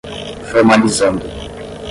formalizando